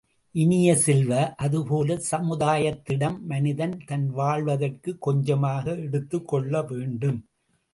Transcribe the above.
இனிய செல்வ, அதுபோலச் சமுதாயத்திடம் மனிதன் தான் வாழ்வதற்குக் கொஞ்சமாக எடுத்துக் கொள்ள வேண்டும்.